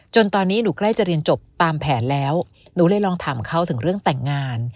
ตอนนี้หนูใกล้จะเรียนจบตามแผนแล้วหนูเลยลองถามเขาถึงเรื่องแต่งงาน